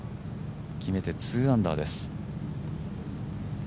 決めて、２アンダーです。